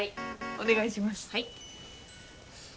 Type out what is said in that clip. お願いします。